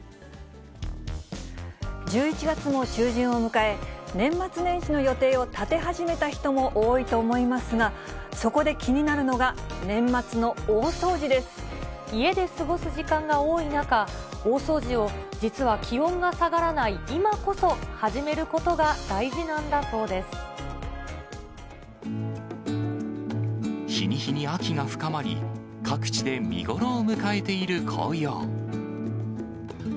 １１月も中旬を迎え、年末年始の予定を立て始めた人も多いと思いますが、そこで気にな家で過ごす時間が多い中、大掃除を実は気温が下がらない今こそ、始めることが大事なんだそ日に日に秋が深まり、各地で見頃を迎えている紅葉。